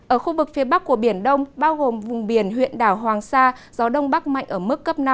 ở khu vực phía bắc của biển đông bao gồm vùng biển huyện đảo hoàng sa gió đông bắc mạnh ở mức cấp năm